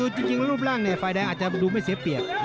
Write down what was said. จริงรูปร่างไฟดิงอาจจะดูไม่เสียเปียก